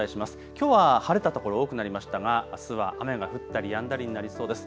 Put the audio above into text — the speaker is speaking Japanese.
きょうは晴れた所、多くなりましたがあすは雨が降ったりやんだりになりそうです。